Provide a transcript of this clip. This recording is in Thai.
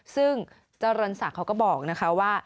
ซึ่งเจริญสักเขาก็บอกว่า